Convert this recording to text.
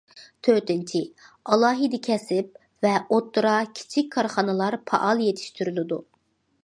تۆتىنچى، ئالاھىدە كەسىپ ۋە ئوتتۇرا، كىچىك كارخانىلار پائال يېتىشتۈرۈلىدۇ.